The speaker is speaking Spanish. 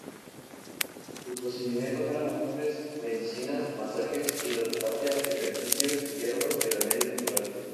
Sus procedimientos eran múltiples: medicinas, masajes, hidroterapia, ejercicios, hierbas y remedios naturales.